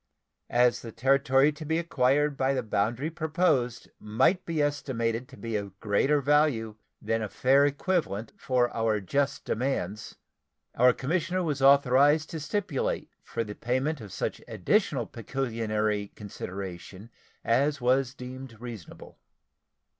As the territory to be acquired by the boundary proposed might be estimated to be of greater value than a fair equivalent for our just demands, our commissioner was authorized to stipulate for the payment of such additional pecuniary consideration as was deemed reasonable.